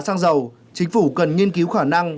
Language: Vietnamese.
xăng dầu chính phủ cần nghiên cứu khả năng